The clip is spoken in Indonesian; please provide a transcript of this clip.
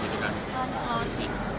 tidak selalu sih